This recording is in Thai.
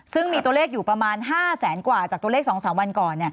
ซึ่งมีตัวเลขอยู่ประมาณ๕แสนกว่าจากตัวเลข๒๓วันก่อน